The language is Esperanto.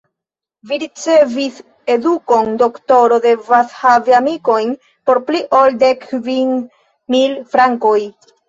Vi ricevis edukon: doktoro devas havi amikojn por pli ol dek kvin mil frankoj.